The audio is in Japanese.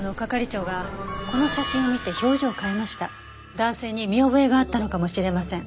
男性に見覚えがあったのかもしれません。